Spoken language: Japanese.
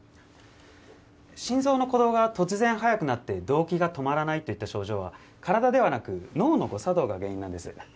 心臓の鼓動が突然速くなって動悸が止まらないといった症状は体ではなく脳の誤作動が原因なんです。